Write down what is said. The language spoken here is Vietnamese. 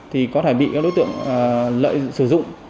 thì có thể bị các đối tượng lợi sử dụng